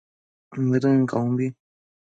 Nëdën caumbi